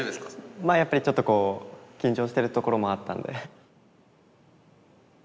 まあやっぱりちょっとこう緊張してるところもあったんで。